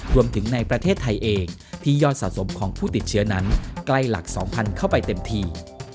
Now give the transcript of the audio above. ในประเทศไทยเองที่ยอดสะสมของผู้ติดเชื้อนั้นใกล้หลัก๒๐๐เข้าไปเต็มที